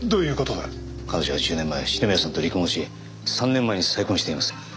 彼女は１０年前篠宮さんと離婚をし３年前に再婚しています。